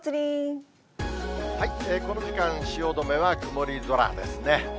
この時間、汐留は曇り空ですね。